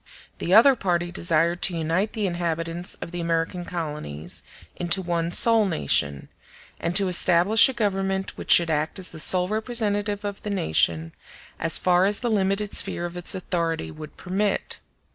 The other party desired to unite the inhabitants of the American colonies into one sole nation, and to establish a Government which should act as the sole representative of the nation, as far as the limited sphere of its authority would permit.